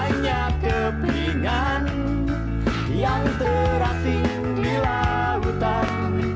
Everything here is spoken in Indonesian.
hidup ini hanya kepingan yang terasing di lautan